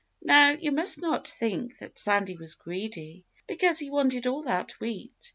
Now, you must not think that Sandy was greedy, because he wanted all that wheat.